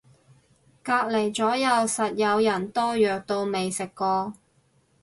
隔離咗右實有人多藥到未食過